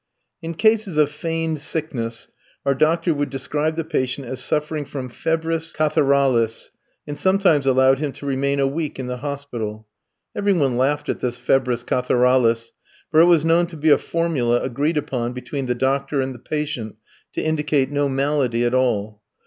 In cases of feigned sickness our doctor would describe the patient as suffering from febris catharalis, and sometimes allowed him to remain a week in the hospital. Every one laughed at this febris catharalis, for it was known to be a formula agreed upon between the doctor and the patient to indicate no malady at all.